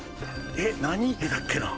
えっ何池だっけな？